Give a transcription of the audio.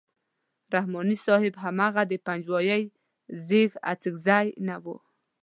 رحماني صاحب هماغه د پنجوایي زېږ اڅکزی نه وو.